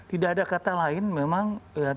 tidak ada kata lain memang